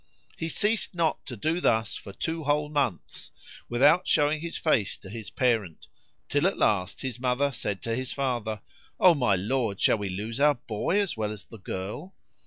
He ceased not to do thus for two whole months without showing his face to his parent, till at last his mother said to his father, "O my lord, shall we lose our boy as well as the girl?